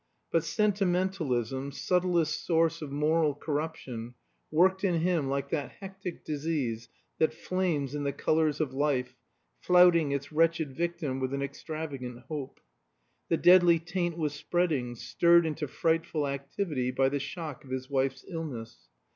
But sentimentalism, subtlest source of moral corruption, worked in him like that hectic disease that flames in the colors of life, flouting its wretched victim with an extravagant hope. The deadly taint was spreading, stirred into frightful activity by the shock of his wife's illness.